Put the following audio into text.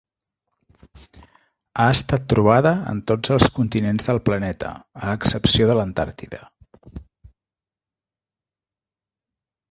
Ha estat trobada en tots els continents del planeta, a excepció de l'Antàrtida.